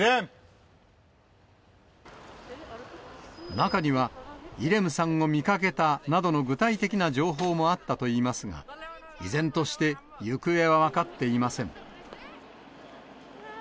中には、イレムさんを見かけたなどの具体的な情報もあったといいますが、依然として、行方は分かっていません。